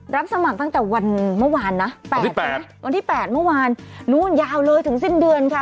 รับสมัครตั้งแต่วันเมื่อวานนะ๘ใช่ไหมวันที่๘เมื่อวานนู้นยาวเลยถึงสิ้นเดือนค่ะ